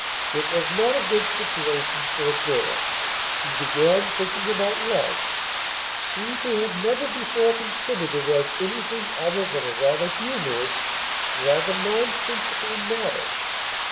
It was not a good situation for a girl. She began thinking about love, she who had never before considered it as anything other than a rather humorous, rather nonsensical matter.